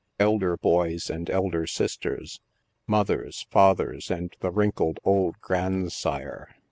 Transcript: Elder boys and elder sisters. Mothers, fathers, and the wrinkled old grand sire.